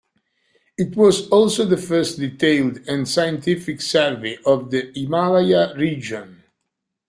It was also the first detailed and scientific survey of the Himalaya region.